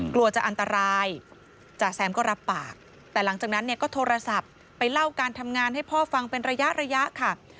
กลัวจะอันตรายจ่าแซมก็รับปากแต่หลังจากนั้นเนี่ยก็โทรศัพท์ไปเล่าการทำงานให้พ่อฟังเป็นระยะระยะค่ะ